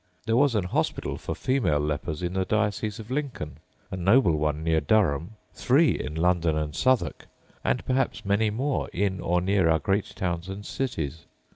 There was an hospital for female lepers in the diocese of Lincoln, a noble one near Durham, three in London and Southwark, and perhaps many more in or near our great towns and cities.